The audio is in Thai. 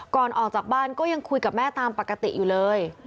ก่อนออกจากบ้านก็ยังคุยกับแม่ตามปกติอยู่เลย